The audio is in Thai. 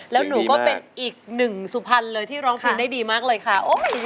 แล้วหนูก็เป็นอีกหนึ่งสุพรรณเลยที่ร้องเพลงได้ดีมากเลยค่ะ